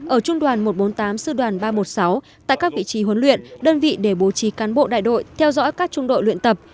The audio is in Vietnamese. ở trung đoàn một trăm bốn mươi tám sư đoàn ba trăm một mươi sáu tại các vị trí huấn luyện đơn vị để bố trí cán bộ đại đội theo dõi các trung đội luyện tập